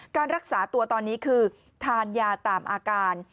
การรักษาตัวตอนนี้คือทานยาตามอาการ